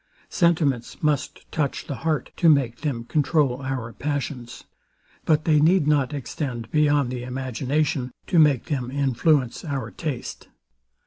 Sentiments must touch the heart, to make them controul our passions: But they need not extend beyond the imagination, to make them influence our taste.